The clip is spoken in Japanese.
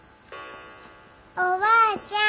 おばあちゃん。